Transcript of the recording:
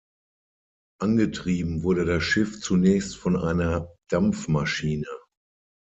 Angetrieben wurde das Schiff zunächst von einer Dampfmaschine.